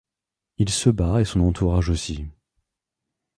Il se bat et son entourage aussi.